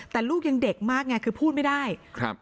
แต่ลูกยังเด็กมากไงคือพูดไม่ได้ครับ